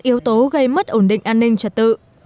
yếu tố gây mất ổn định an ninh trật tự